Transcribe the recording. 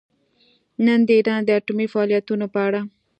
نن د ایران د اټومي فعالیتونو په اړه